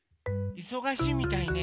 いそがしいみたいね。